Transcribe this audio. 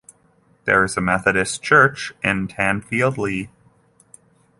There is a Methodist church in Tanfield Lea.